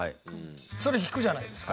それ引くじゃないですか。